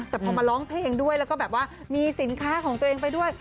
แต่พอมาร้องเพลงด้วยแล้วก็แบบว่ามีสินค้าของตัวเองไปด้วย